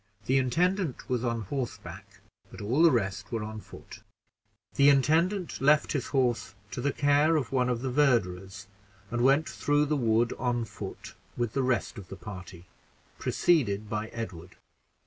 The intendant was on horseback, but all the rest were on foot. The intendant left his horse to the care of one of the verderers, and went through the wood on foot with the rest of the party, preceded by Edward.